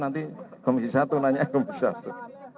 nanti komisi satu nanya komisi satu